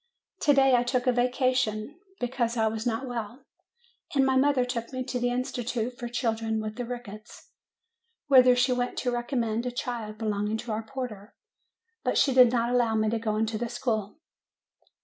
TO DAY I took a vacation, because I was not well, and my mother took me to the Institution for Children with the Rickets, whither she went to recommend a child belonging to our porter ; but she did not allow me to go into the school.